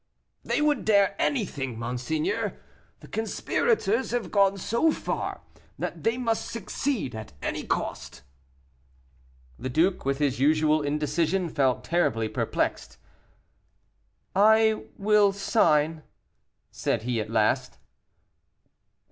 "They would dare anything, monseigneur. The conspirators have gone so far, that they must succeed at any cost." The duke, with his usual indecision, felt terribly perplexed. "I will sign," said he, at last.